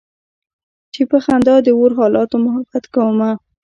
چې په خندا د اور حالاتو محبت کومه